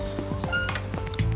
terima kasih makasih